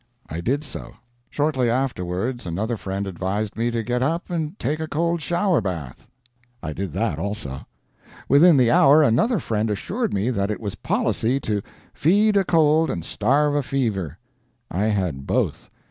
I did so. Shortly afterward, another friend advised me to get up and take a cold shower bath. I did that also. Within the hour, another friend assured me that it was policy to "feed a cold and starve a fever." I had both.